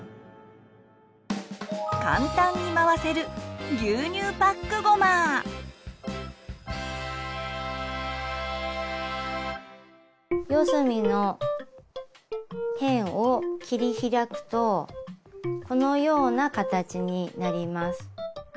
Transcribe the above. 簡単に回せる四隅の辺を切り開くとこのような形になります。